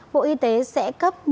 bộ y tế sẽ cấp